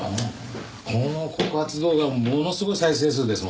この告発動画ものすごい再生数ですもんね。